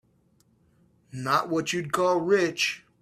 Not what you'd call rich.